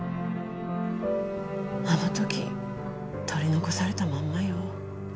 あの時取り残されたまんまよ。